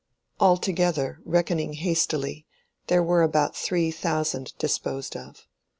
Altogether, reckoning hastily, here were about three thousand disposed of.